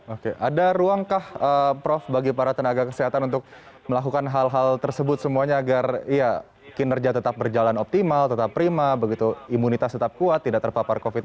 oke ada ruangkah prof bagi para tenaga kesehatan untuk melakukan hal hal tersebut semuanya agar kinerja tetap berjalan optimal tetap prima begitu imunitas tetap kuat tidak terpapar covid sembilan belas